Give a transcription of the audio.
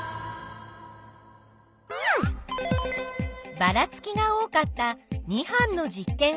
ばらつきが多かった２班の実験を見てみよう。